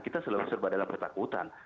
kita selalu serba dalam ketakutan